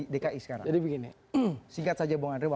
jadi begini singkat saja bu andri